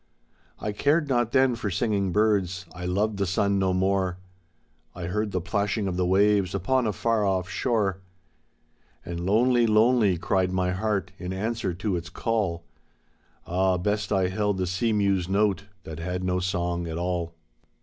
I cared not then for singing birds, I loved the sun no more. I heard the plashing of the waves upon a far off shore. And lonely, lonely cried my heart in answer to its call — Ah, best I held the sea mew's note that heA no song at all!